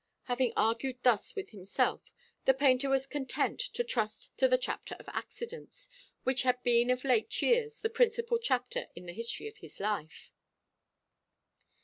Having argued thus with himself, the painter was content to trust to the chapter of accidents, which had been of late years the principal chapter in the history of his life.